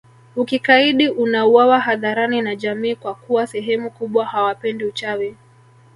Ukikaidi unauwawa hadharani na jamii kwa kuwa sehemu kubwa hawapendi uchawi